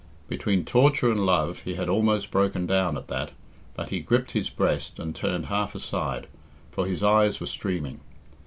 Between torture and love he had almost broken down at that, but he gripped his breast and turned half aside, for his eyes were streaming.